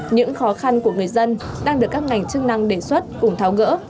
những khó khăn của người dân đang được các ngành chức năng đề xuất cùng tháo gỡ